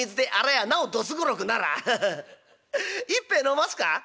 一杯飲ますか？」。